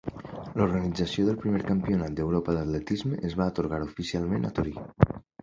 L'organització del primer Campionat d'Europa d'Atletisme es va atorgar oficialment a Torí.